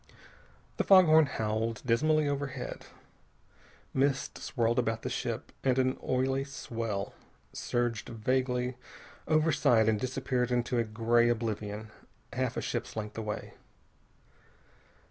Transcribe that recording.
The fog horn howled dismally overhead. Mist swirled past the ship, and an oily swell surged vaguely overside and disappeared into a gray oblivion half a ship's length away.